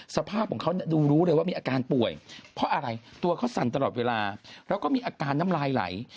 สภาพของเขาดูรู้เลยว่ามีอาการป่วยเพราะอะไรตัวเขาสั่นตลอดเวลาแล้วก็มีอาการน้ำลายไหล